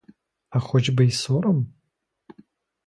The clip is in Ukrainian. А хоч би й сором?